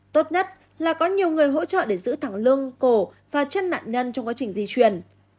tốt nhất là có nhiều người hỗ trợ để giữ thẳng lương cổ và chân nạn nhân trong quá trình di chuyển